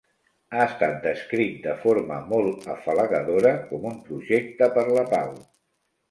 Ha estat descrit, de forma molt afalagadora, com un projecte per la pau.